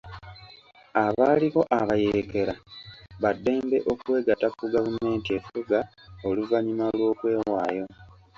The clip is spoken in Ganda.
Abaaliko abayeekera baddembe okwegatta ku gavumenti efuga oluvannyuma lw'okwewaayo.